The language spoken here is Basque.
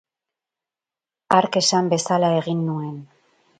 Hark esan bezala egin nuen.